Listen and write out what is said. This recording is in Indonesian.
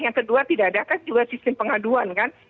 yang kedua tidak ada kan juga sistem pengaduan kan